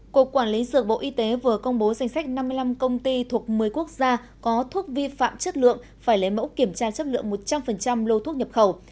cục quản lý dược bộ y tế vừa công bố danh sách năm mươi năm công ty thuộc một mươi quốc gia có thuốc vi phạm chất lượng phải lấy mẫu kiểm tra chất lượng một trăm linh lô thuốc nhập khẩu